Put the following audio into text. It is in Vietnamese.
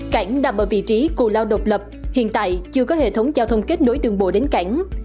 cảng nằm ở vị trí cù lao độc lập hiện tại chưa có hệ thống giao thông kết nối đường bộ đến cảng